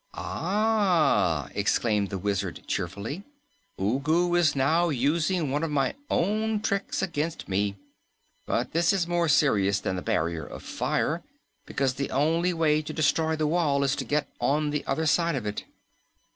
"Ah!" exclaimed the Wizard cheerfully, "Ugu is now using one of my own tricks against me. But this is more serious than the Barrier of Fire, because the only way to destroy the wall is to get on the other side of it."